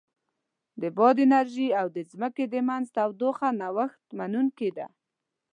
د باد انرژي او د ځمکې د منځ تودوخه نوښت منونکې ده.